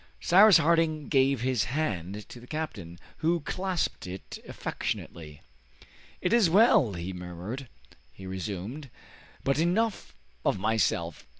Cyrus Harding gave his hand to the captain, who clasped it affectionately. "It is well!" he murmured. He resumed, "But enough of myself.